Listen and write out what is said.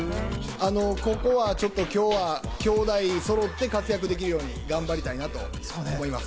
ここは兄弟そろって今日は活躍できるよう頑張りたいと思います。